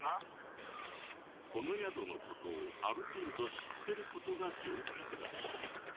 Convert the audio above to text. この宿の事をある程度知ってる事が条件らしい。